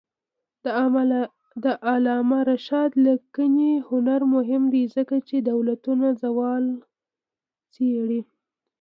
د علامه رشاد لیکنی هنر مهم دی ځکه چې دولتونو زوال څېړي.